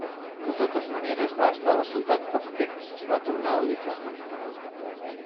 De totes maneres, va estar a la ciutat poc temps i va tornar a Lituània.